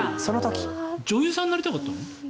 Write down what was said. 女優さんになりたかったの？